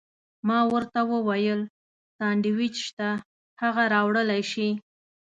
ما ورته وویل: سانډویچ شته، هغه راوړلی شې؟